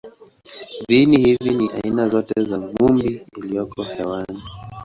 Viini hivi ni aina zote za vumbi iliyoko hewani.